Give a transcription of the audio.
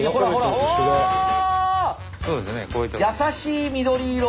優しい緑色。